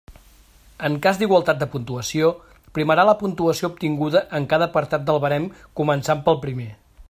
En cas d'igualtat de puntuació, primarà la puntuació obtinguda en cada apartat del barem començant pel primer.